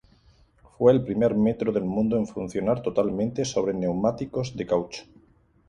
Fue el primer metro del mundo en funcionar totalmente sobre neumáticos de caucho.